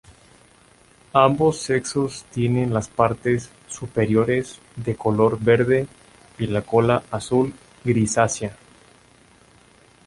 Ambos sexos tienen las partes superiores de color verde y la cola azul grisácea.